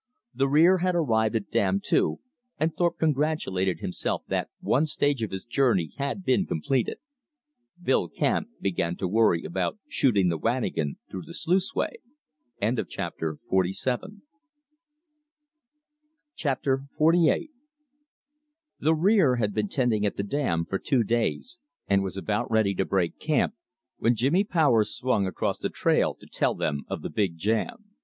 The rear had arrived at Dam Two, and Thorpe congratulated himself that one stage of his journey had been completed. Billy Camp began to worry about shooting the wanigan through the sluice way. Chapter XLVIII The rear had been tenting at the dam for two days, and was about ready to break camp, when Jimmy Powers swung across the trail to tell them of the big jam.